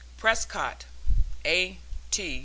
PRESCOTT, A. T.